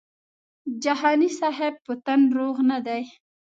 جهاني صاحب په تن روغ نه دی.